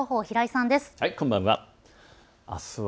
こんばんは。